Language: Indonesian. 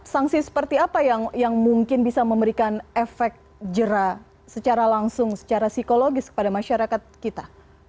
sanksi seperti apa yang mungkin bisa memberikan efek jerah secara langsung secara psikologis kepada masyarakat kita